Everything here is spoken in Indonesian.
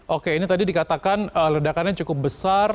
oke ini tadi dikatakan ledakannya cukup besar